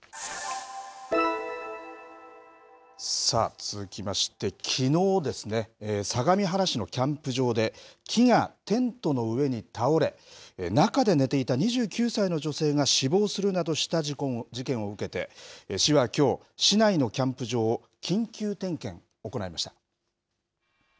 さあ、続きまして、きのうですね、相模原市のキャンプ場で木がテントの上に倒れ、中で寝ていた２９歳の女性が死亡するなどした事件を受けて、市はきょう、市内のキャンプ場を緊急点検、行いました。